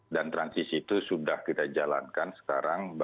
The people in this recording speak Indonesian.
dan transisi itu sudah kita jalankan sekarang